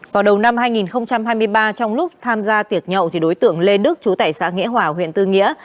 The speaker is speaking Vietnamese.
vào đầu năm hai nghìn hai mươi ba trong lúc tham gia tiệc nhậu thì đối tượng lê đức chú tải xã nghĩa hòa huyện tư nghĩa